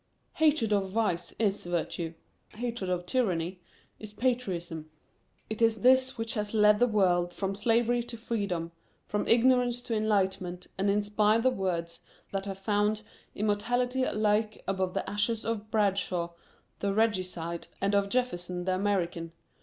Hatred of vice IS virtue; hatred of tyranny is patriotism. It is this which has led the world from slavery to freedom, from ignorance to enlightenment, and inspired the words that have found immortality alike above the ashes of Bradshaw the regicide and of Jefferson the American.